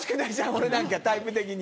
俺なんか、タイプ的に。